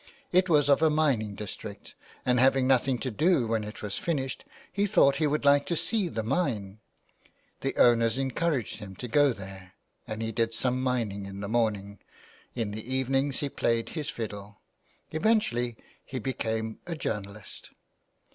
It was of a mining district, and having nothing to do when it was finished he thought he would like to see the mine ; the owners encouraged him to go there, and he did some mining in the morning — in the evenings he played his fiddle. Eventually he became a journalist.